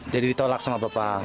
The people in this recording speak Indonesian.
jadi ditolak sama bapak